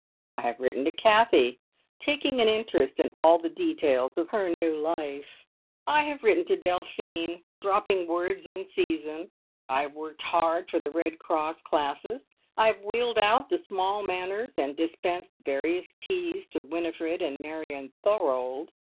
I have written to Kathie, taking an interest in all the details of her new life; I have written to Delphine, dropping words in season. I have worked hard for the Red Cross classes. I have wheeled out the small Manners, and dispensed various teas to Winifred and Marion Thorold.